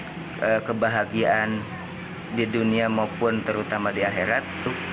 untuk kebahagiaan di dunia maupun terutama di akhirat